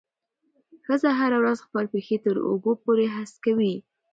ښځه هره ورځ خپل پښې تر اوږو پورې هسکوي.